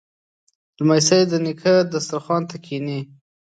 لمسی د نیکه دسترخوان ته کیني.